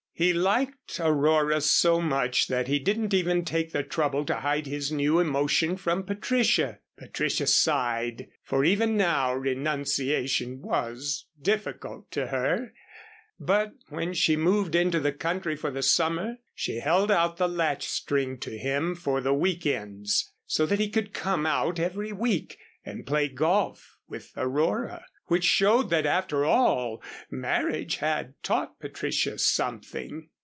He liked Aurora so much that he didn't even take the trouble to hide his new emotion from Patricia. Patricia sighed, for even now renunciation was difficult to her, but when she moved into the country for the summer, she held out the latch string to him for the week ends so that he could come out every week and play golf with Aurora, which showed that after all marriage had taught Patricia something.